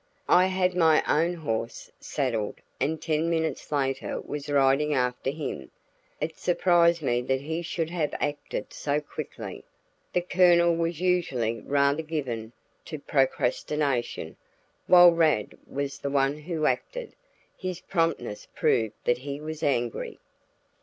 I had my own horse saddled, and ten minutes later was riding after him. It surprised me that he should have acted so quickly; the Colonel was usually rather given to procrastination, while Rad was the one who acted. His promptness proved that he was angry.